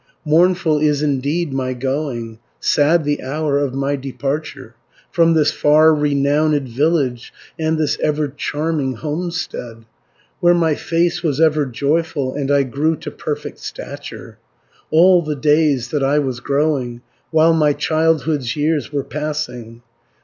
Mournful is indeed my going, Sad the hour of my departure, From this far renowned village, And this ever charming homestead, Where my face was ever joyful, And I grew to perfect stature, 310 All the days that I was growing, While my childhood's years were passing.